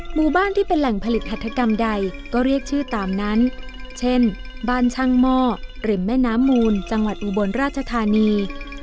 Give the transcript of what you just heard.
หมู่บ้านที่เป็นแหล่งผลิตหัฐกรรมใดก็เรียกชื่อตามนั้นเช่นบ้านช่างหม้อริมแม่น้ำมูลจังหวัดอุบลราชธานี